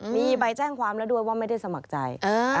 มีใบแจ้งความแล้วด้วยว่าไม่ได้สมัครใจ